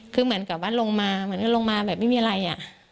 คือเหมือนกับว่าลงมาเหมือนกับลงมาแบบไม่มีอะไรอ่ะ